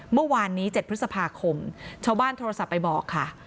เมื่อวานนี้๗พฤษภาคมชาวบ้านโทรศัพท์ไปบอกค่ะ